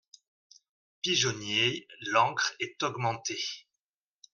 Pigeonnier L'encre est augmentée.